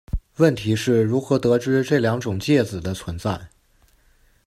问题是如何得知这两种介子的存在。